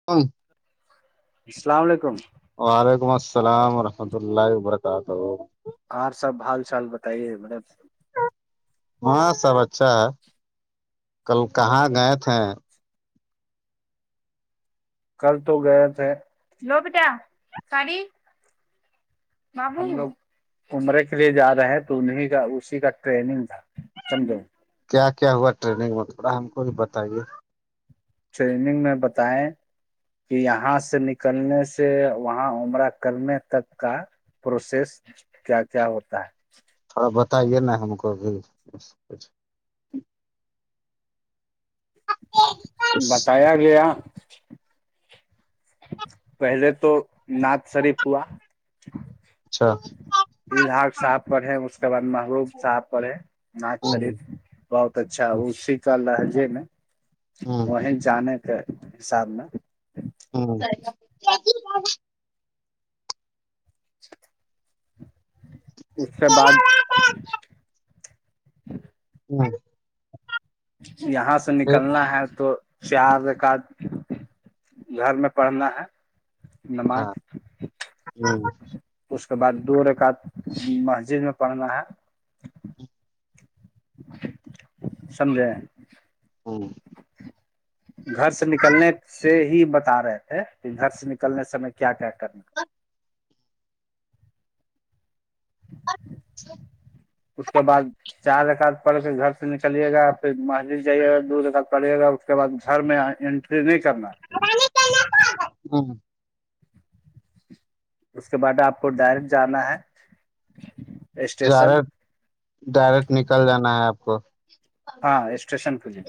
[unintelligible] السلام علیکم وعلیکم السلام ورحمۃ اللہ وبرکاتہ اور سب حال چال بتائیے مطلب ہاں سب اچھا ہے کل کہاں گئے تھے کل تو گئے تھے لو بیٹا سڑی [unintelligible] عمرے کے لیے جا رہے ہیں تو انیں کا اسی کا ٹریننگ تھا سمجھو کیا کیا ہوا ٹریننگ میں تھوڑا ہم کو بھی بتائیے ٹریننگ میں بتائیں کہ یہاں سے نکلنے سے وہاں عمرہ کے تک کا پروسیس کیا کیا ہوتا ہے تھوڑا بتائیے نا ہم کو بھی کچھ اچھا بتایا گیا پہلے تو نعت شریف ہوا اچھا الحاق صاحب پڑھے اس کے بعد محبوب صاحب پڑھے نعت شریف بہت اچھا وہ شیتل لہجے میں وہیں جانے کے حساب میں [unintelligible] اس کے بعد ہمم یہاں سے نکلنا ہے تو چار رکعات گھر میں پڑھنا ہے نماز اس کے بعد دو رکات مسجد میں پڑھنا ہے سمجھے گھر سے نکلنے سے ہی بتا رہے تھے کہ گھر سے نکلنے سمے کیا کیا کرنا [inaudible] [unintelligible] اس کے بعد چار رکات پڑ کے گھر سے نکلیے گا پھر مسجد جائیے گا دو رکات پڑے گا اس کے بعد گھر میں پھر نہیں کرنا ہے ھمم اس کے بعد آپ کو ڈائریکٹ جانا ہے زر اسٹیشن ڈائریکٹ نکل جانا ہے آپ کو ہاں اسٹیشن کے لیے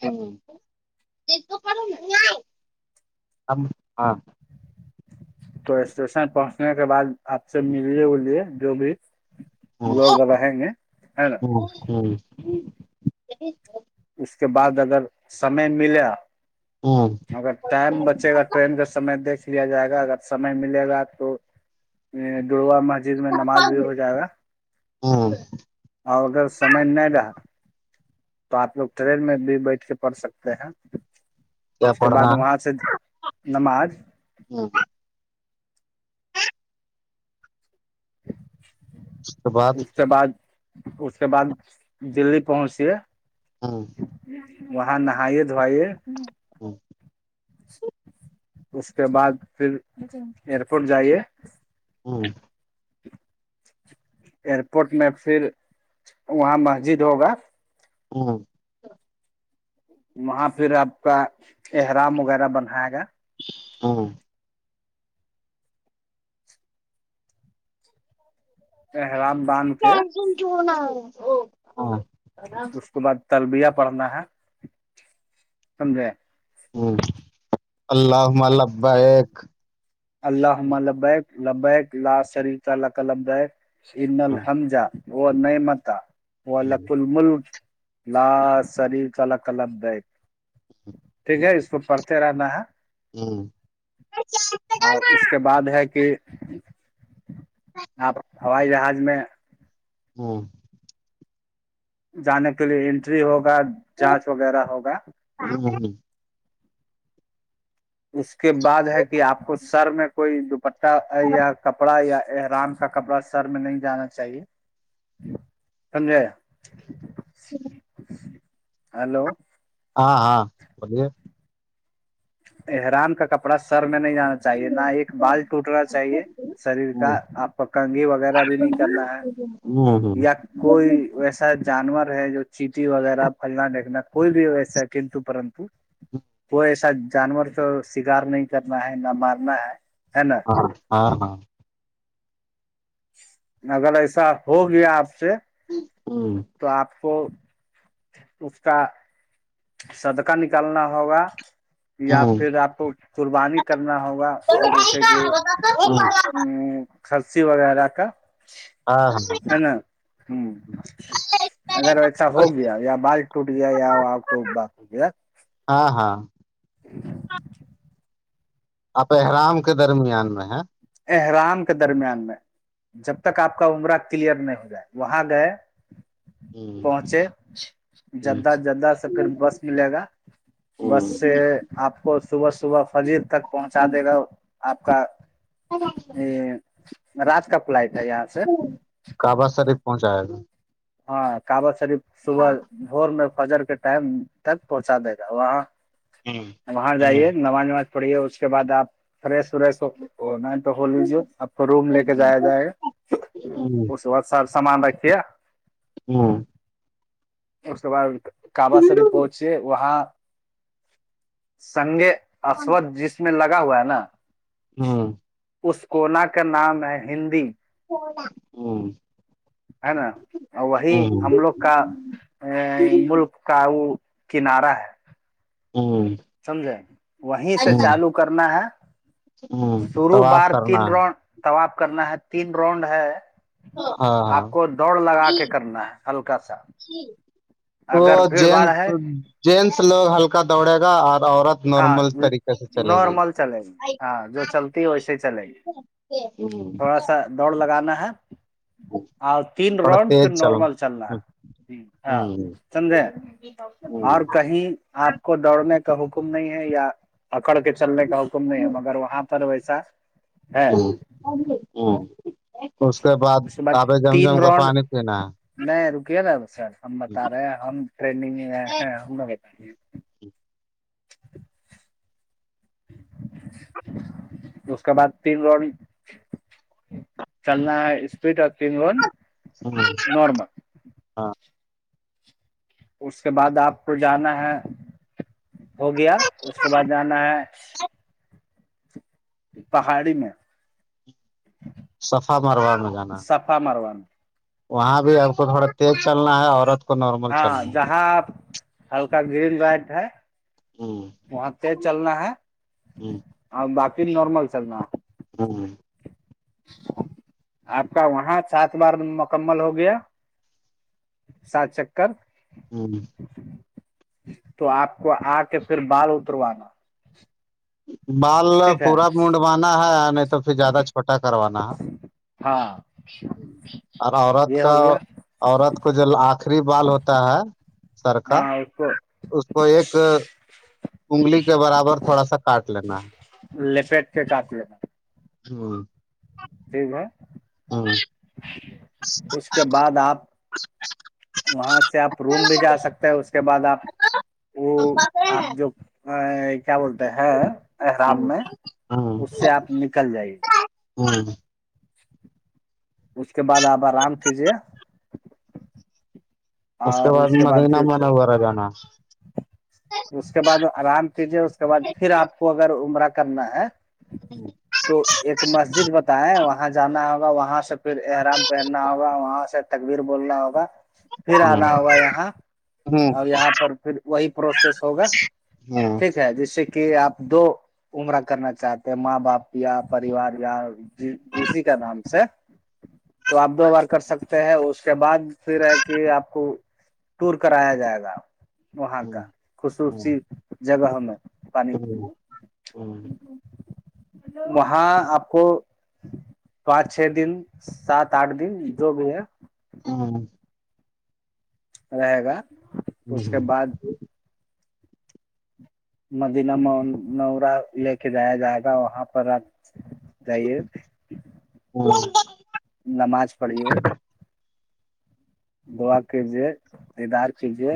ہ ج ہاں تو اسٹیشن پہنچنے کے بعد آپ سے ملیے ولیے جو بھی [unintelligible] جچ [unintelligible] جی اس کے بعد اگر سمے ملا ہاں اگر ٹائم بچے گا ٹرین کا سمے دیکھ لیا جائے گا اگر سمے ملے گا تو دروا مسجد میں نماز بھی ہو جائے گا ہاں اور اگر سمے نہیں رہا تو آپ لوگ ٹرین میں بھی بیٹھ کے پڑھ سکتے ہیں کیا اس کے بعد پڑھنا وہاں سے نماز ہوں [unintelligible] اس کے بعد اس کے بعد اس کے بعد دلی پہنچیے [inaudible] وہاں نہائیے دھوے [inaudible] اس کے بعد پھر ایئرپورٹ جائیے [inaudible] ایئرپورٹ میں پھر وہاں مسجد ہوگا [inaudible] وہاں پھر آپ کا احرام وغیرہ بنائے گا [inaudible] ارام باندھ کے ام کینا او اس کے بعد طلبیہ پڑھنا ہے سمجھے اللہومما لببیک اللمہ البیک البیک لا شریف ال کلبیک ع الحمہ وہ نعمت وہ لق الملک لا سری ک ک د ٹھیک ہے اس کو پڑھتے رہنا ہے [inaudible] اور اس کے بعد ہے کہ آپ ہوائی جہاز میں [inaudible] جانے کے لیے انینٹری ہوگا جانچ وغیرہ ہوگا [inaudible] اس کے بعد ہے کہ آپ کو سر میں کوئی دوپٹہ یا کپڑا یا ارام کا کپڑا سر میں نہیں جانا چاہیے سمجے ہلو ہاں ہاں بلیے اران کا کپڑا سر میں نہیں جانا چاہیے نہ ایک بال ٹوٹنا ہاں چاہیے شریر کا آپ کو کنگی وغیرہ بھی نہیں کرنا ہے ہاں یا کوئی ویسے جانور ہے جو چیٹی وغیرہ پھنا دیکنا کوئی بھی ویسا ہے کتو پرنت کوئی ایسا جانور تو شکار نہیں کرنا ہے نہ مارنا ہے ہے نا ہاں ہاں [unintelligible] اگر ایسا ہو گیا آپ سے [inaudible] تو آپ کو اس کا صدکہ نکالنا ہوگا یا ہاں پھر آپ کو قربانی کرنا ہوگا جیسے کہ [inaudible] کرسی وغیرہ کا ہے ہاں نا ہ اگر ایسا ہو گیا یا بال ٹوٹ گیا یا آ خو باس ہو گ ہاں ہاں احرام کے درمیان میں ہے احرام کے درمیان میں جب تک آپ کا عمرہ کلیئر نہیں ہو جائے وہاں گئے پہنچے ہ جدہ جدہ سے پھر بس ملے گا ا بس سے آپ کو صبح صبح فجیر تک پہنچا دے گا آپ کا یہ راج کا فل آتا ہے یہاں سے کبا سریف پہنچایا تھا ہاں کاب شریف صبح بور میں فجر کے ٹائم تک پہنچا دے گا وہاں وہاں جائیے نماز نماز پڑھییے اس کے بعد آپ فریش وریش ہو ا نہیں تو ہو لیجیے اب کو روم لے کے جایا جائے گا تو بت سب سامان رکھیے ہاں اس کے بعد کابا سری پہنچے وہاں سنگے اد جس میں لگا ہوا ہے نا اس کونا کا نام ہے ہندی ہے نا وہی ہم لوگ کا ا ملک کا وہ کنارہ ہے ہاں سمجھے وہیں سے چالو کرنا ہے شرو طواف بار تین کرنا رن طباب کرنا ہے تین رانڈ ہے ہاں آپ کو دوڑ لگا کے ہاں کرنا ہے اللکاسا وہ جینس ہے جینس لوگ ہلکا دوڑے گا اور عورت ہاں نارمل طریقے سے چلے گئے نارمل چلے گی ہاں جو چلتی ہے ویسے ہی چلے گی ےب تھوڑا سا دوڑ لگانا ہے اور تین تھوڑا راؤنڈ پھر تیز چل نارمل چلنا ہے ہاں سندے اور کہیں آپ کو دوڑنے کا حکم نہیں ہے یا اکڑ کے چلنے کا حکم نہیں ہے مگر وہاں پر ویسا ہے اس کے بعد اس کے آپے جم تین جم کر راؤنڈ پانی پینا ہے نہیں رکے نا سر ہم بتا رہے ہیں ہم ٹرینڈگ میں ہیں ہم نے بت اس کے بعد تین رڈ چلنا اسپٹ آگتینون ہ اس کے بعد آپ کو جانا ہے ہو گیا اس کے بعد جانا ہے پہاڑی میں صفہ مرو میں جانا س ماروان وہاں بھی ہم کو تھوڑا تیز چلنا ہے عورت کو نارمل ہاں چلنا ہے جہاں ہلکا گرین وائٹ ہے وہاں تیز چلنا ہے ہ اور باقی نارمل چلنا ہے ہاں آپ کا وہاں سات بار مکمل ہو گیا سات چکر ہوں تو آپ کو آ کے پھر بال اتروانا بال ٹھیک ہے پورا مونڈوانا ہے نہیں تو پھر زیادہ چھوٹا کروانا ہے ہاں اور عورت یہ کا ہو گیا عورت کو جو آخری بال ہوتا ہے سر کا ہاں اس کو اس کو ایک انگلی کے برابر تھوڑا سا کاٹ لینا ہے لپیٹ کے کاف ہاں جی با جی اس کے بعد آپ وہاں سے آپ روم بھی جا سکتے ہیں اس کے بعد آپ وہ آپ جو کیا بولتے ہے احرام میں اس سے آپ نکل جائیے ہوں اس کے بعد آپ آرام کیجیے اس کے بعد مدینہ من وغیرہ جانا اس کے بعد آرام کیجے اس کے بعد پھر آپ کو اگر عمرہ کرنا ہے ہوں تو ایک مسجد ہوتا ہے وہاں جانا ہوگا وہاں سے پھر احرام پہننا ہوگا وہاں سے تکبیر بولنا ہوگا پھر آنا ہوگا یہاں ہوں اور یہاں پر پھر وہی پروسیس ہوگا ہوں ٹھیک ہے جیسے کہ آپ دو عمرہ کرنا چاہتے ہیں ماں باپ یا پریوار یا اسسی کا نام سے تو آپ دو بار کر سکتے ہیں اس کے بعد پھر ایک کہ آپ کو ٹور کرایا جائے گا وہاں کا خصوصی جگہ میں پانی ہوں وہاں آپ کو پانچ چھ دن سات آٹھ دن جو بھی ہے ہاں رہے گا اس کے بعد مدینہ نورا لے کے جایا جائے گا وہاں پر آپ جائیے ہوں نماز پڑھیے دعا کیجیے ادار کیجیے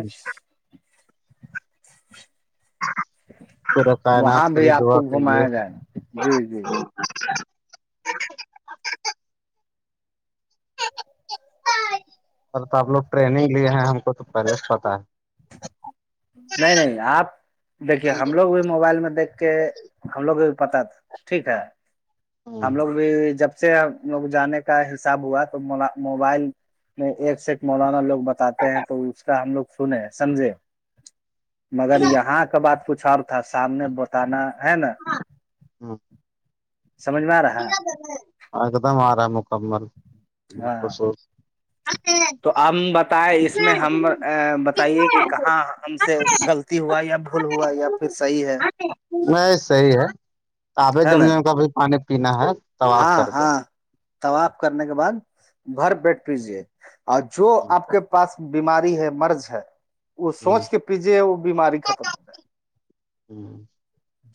پورے وہاں کائنات کے بھی لیے آپ کو دعا کیجیے گھمایا جائے نا جی جی پر تو آب لوگٹرینگ لیے ہیں ہم کو تو پریشٹ ہوتا ہے نہیں نہیں آپ دیکھیے ہم لوگ بھی موبائل میں دیکھ کے ہم لوگ بھی پتا تھا ٹھیک ہے ہم لوگ بھی جب سے ہم لوگ جانے کا حساب ہوا تو موبائل میں ایک سے ایک مولانا لوگ بتاتے ہیں تو اس کا ہم لوگ سن سمجھے مگر یہاں کا بات کچھ اور تھا سامنے بتانا ہے نا ہوں سجھ میں آ رہا ہے ایک دم رہا مکمل ب ہاں خصو تو ہم بتائے اس میں ہم بتائیے کہ کہاں ہم سے غلط ہوا یا بھول ہوا یا پھر صحیح ہے نہیں صحیح ہے آپے ہے جم نا جم کا ب پانی پینا ہے طواف ہاں کر کے ہاں طاف کرنے کے بعد گھر بیٹھ پجے اور جو آپ کے پاس بیماری ہے مرض ہے وہ سوچ کے پیچھے وہ بیماری ختم ہوں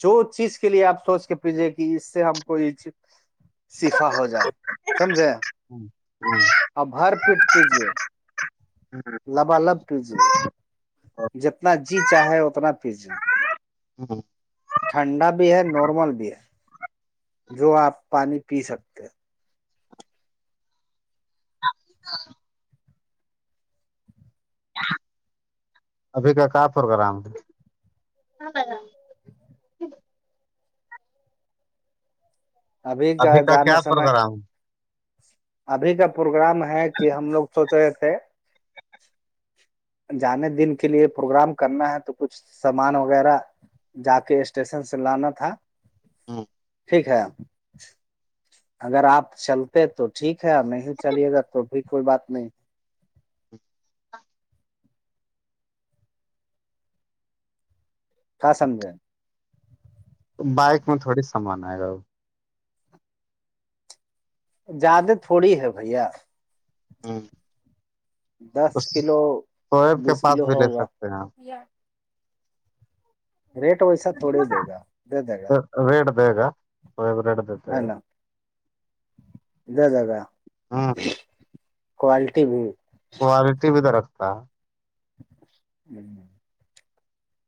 جو چیز کے لیے آپ سوچ کے پجھے کہ اس سے ہم کو شفا ہو جائے سمجھے اب ہر پیٹ پیجے لبالب پیجے جتنا جی چاہے اتنا پیجے ا ٹھنڈا بھی ہے نارمل بھی ہے جو آپ پانی پی سکتے ہیں ہاں ابھی کا کیا پروگرام ہے ابھی کا کیا پروگرام ابھی کا پروگرام ہے کہ ہم لوگ سوچ رہے تھے جانے دن کے لیے پروگرام کرنا ہے تو کچھ سامان وغیرہ جا کے اسٹیشن سے لانا تھا ہاں ٹھیک ہے اگر آپ چلتے تو ٹھیک ہے نہیں چلیے گا تو ای کوئی بات نہیں ک سامج ہے بائک میں تھوڑی سامان آئے گا وہ زیادہ تھوڑی ہے بھیا ہاں دس کلو سیب کے بیس پاس کلو بھی لے ہوگا سکتے ہیں آپ ریٹ ویسا تھوڑی ہی دے گا دے دے گا ریٹ دے گا س ریٹ دے گ ہے نا جاکہ ہ کوالٹی بھی کوالٹی بھی درختا ہے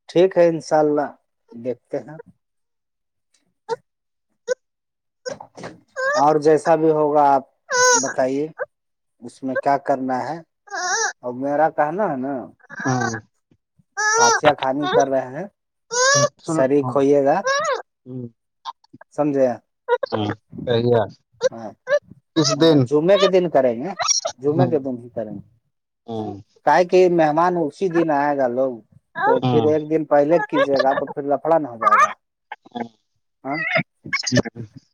ٹھیک ہے انشاء اللہ دیکھتے ہیں اور جیسا بھی ہوگا آپ بتائیے اس میں کیا کرنا ہے میرا کہناا ہے نا ہاں پتیا کھانی کر رہے ہیں شریک کھوئیے گا ہوں سمجھیا ہاں اییا ہاں جمعے کے دن کریں گے جمعے ہوں کے دن ہی کریں گے ہوں کاے کہ مہمان اسی دن آئے گا لوگ تو پھر ہاں ایک دن پہلے کیجیے گا تو پھر لفڑا نہ ہو جائے گا ہ جی